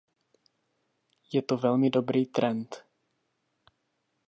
Je to velmi dobrý trend.